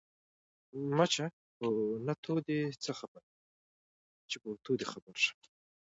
ـ مچه په نتو دې څه خبر يم ،چې په وتو دې خبر شم.